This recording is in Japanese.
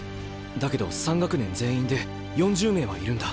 だけど３学年全員で４０名はいるんだ。